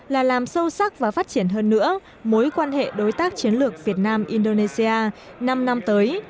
là làm sâu sắc và phát triển hơn nữa mối quan hệ đối tác chiến lược việt nam indonesia năm năm tới